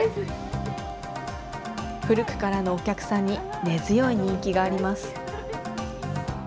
古くからのお客さんに根強い人気があります。